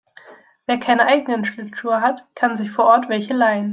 Wer keine eigenen Schlittschuhe hat, kann sich vor Ort welche leihen.